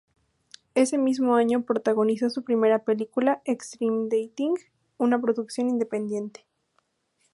Ese mismo año protagonizó su primera película, "Extreme Dating", una producción independiente.